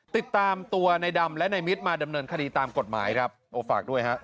ติดตามตัวในดำและในมิตรมาดำเนินคดีตามกฎหมายครับโอ้ฝากด้วยฮะ